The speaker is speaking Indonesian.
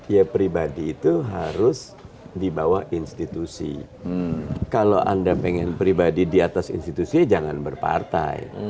ya pribadi itu harus di bawah institusi kalau anda pengen pribadi di atas institusi jangan berpartai